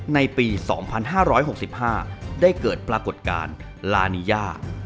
ในปี๒๕๖๕ได้เกิดปรากฏการณ์ลานีย่า